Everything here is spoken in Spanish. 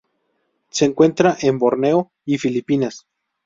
Se encuentra en Borneo y Filipinas.